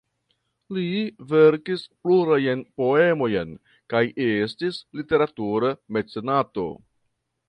Li verkis plurajn poemojn kaj estis literatura mecenato.